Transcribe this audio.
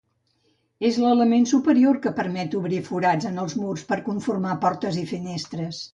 És l'element superior que permet d'obrir forats en els murs per conformar portes i finestres.